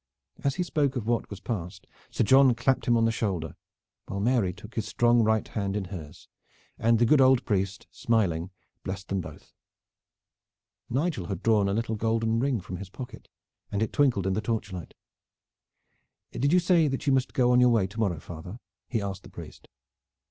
As he spoke of what was passed Sir John clapped him on the shoulder, while Mary took his strong right hand in hers, and the good old priest smiling blessed them both. Nigel had drawn a little golden ring from his pocket, and it twinkled in the torchlight. "Did you say that you must go on your way to morrow, father?" he asked the priest.